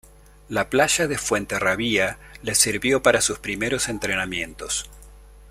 La playa de Fuenterrabía les sirvió para sus primeros entrenamientos.